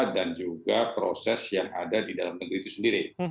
dan juga proses yang ada di dalam negeri itu sendiri